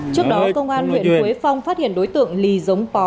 trước đó công an huyện quế phong phát hiện đối tượng lì giống pó